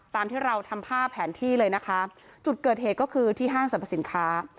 ตามที่เราทำภาพแผนที่เลยนะคะจุดเกิดเหตุก็คือที่ห้างสรรพสินค้า